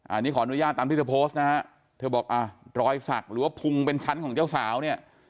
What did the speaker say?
อันนี้ขออนุญาตตามที่เธอโพสต์นะฮะเธอบอกอ่ะรอยสักหรือว่าพุงเป็นชั้นของเจ้าสาวเนี่ย